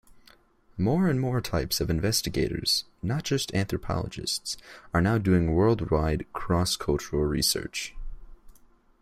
More and more types of investigators-not just anthropologists-are now doing worldwide cross-cultural research.